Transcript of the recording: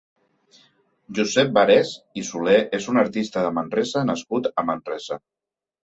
Josep Barés i Soler és un artista de Manresa nascut a Manresa.